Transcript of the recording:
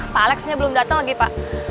pak alexnya belum datang lagi pak